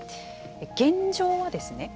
現状はですね